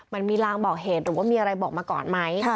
มันมีรางบอกเหตุหรือว่ามีอะไรบอกมาก่อนไหม